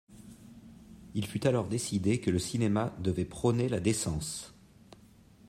Il fut alors décidé que le cinéma devait prôner la décence.